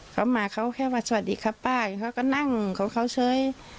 เขามาเขาแค่ว่าสวัสดีครับป้าเขาก็นั่งของเขาเฉย